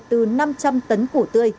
từ năm trăm linh tấn củ tươi